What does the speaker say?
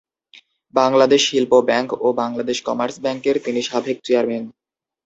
Bangladesh Shilpa bank ও Bangladesh commerce ব্যাংকের তিনি সাবেক চেয়ারম্যান।